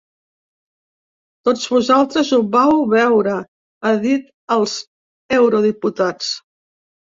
Tots vosaltres ho vau veure, ha dit als eurodiputats.